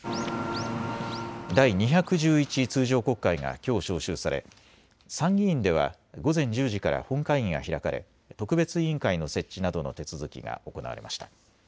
第２１１通常国会がきょう召集され参議院では午前１０時から本会議が開かれ特別委員会の設置などの手続きが行われました。